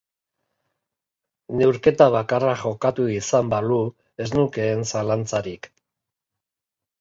Neurketa bakarra jokatu izan balu, ez nukeen zalantzarik.